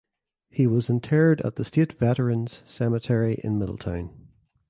He was interred at the State Veterans Cemetery in Middletown.